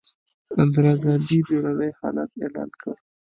اندرا ګاندي بیړنی حالت اعلان کړ.